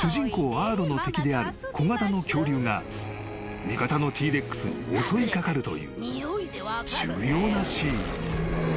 アーロの敵である小型の恐竜が味方のＴ−レックスに襲い掛かるという重要なシーン］